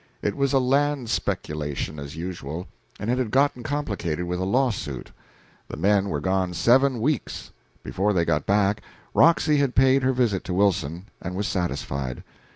It was a land speculation as usual, and it had gotten complicated with a lawsuit. The men were gone seven weeks. Before they got back Roxy had paid her visit to Wilson, and was satisfied.